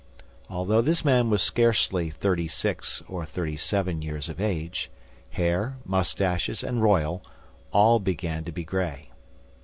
Although this man was scarcely thirty six or thirty seven years of age, hair, mustaches, and royal, all began to be gray.